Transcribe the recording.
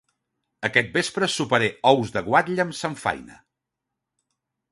Aquest vespre soparé ous de guatlla amb samfaina